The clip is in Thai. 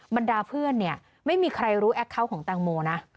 บรรดาเพื่อนเนี่ยไม่มีใครรู้แอคเคาน์ของแตงโมนะ